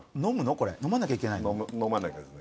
これ飲まなきゃいけないの？